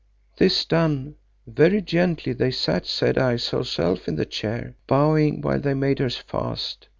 This done, very gently they sat Sad Eyes herself in the chair, bowing while they made her fast.